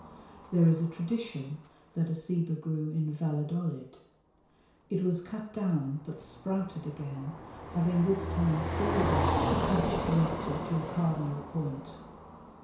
There is a tradition that a ceiba grew in Valladolid. It was cut down but sprouted again, having this time four boughs each directed to a cardinal point.